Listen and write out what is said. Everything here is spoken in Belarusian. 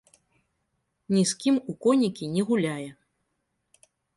Ні з кім у конікі не гуляе.